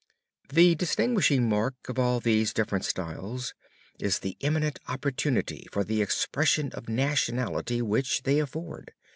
The distinguishing mark of all these different styles is the eminent opportunity for the expression of nationality which, they afford.